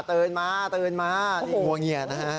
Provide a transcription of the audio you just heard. ตื่นมาตื่นมาหัวเหงียจนะฮะ